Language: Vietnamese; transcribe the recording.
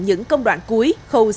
những công đoạn cuối khâu xây dựng